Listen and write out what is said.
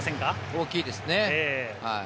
大きいですね。